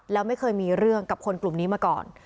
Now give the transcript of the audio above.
แล้วไม่เคยมีเรื่องกับคนกลุ่มนี้มาก่อน